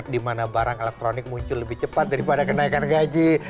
di mana barang elektronik muncul lebih cepat daripada kenaikan gaji